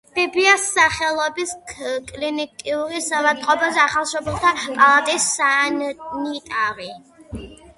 ფიფიას სახელობის კლინიკური საავადმყოფოს ახალშობილთა პალატის სანიტარი.